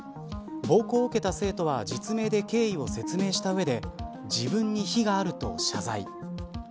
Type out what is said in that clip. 暴行を受けた生徒は実名で経緯を説明した上で自分に非があると謝罪。